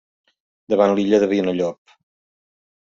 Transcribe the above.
Davant l'Illa de Vinallop.